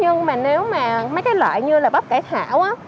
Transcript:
nhưng mà nếu mà mấy cái loại như là bắp cải thảo